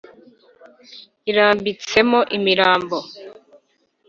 irambitsemo imirambo